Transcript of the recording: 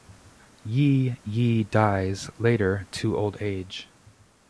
Ye Ye dies later due to old age.